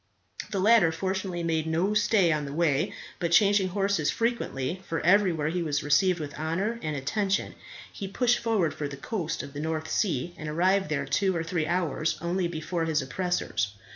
The latter fortunately made no stay on the way, but changing horses frequently for everywhere he was received with honour and attention he pushed forward for the coast of the North Sea, and arrived there two or three hours only before his oppressors.